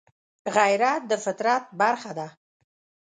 غیرت د فطرت برخه ده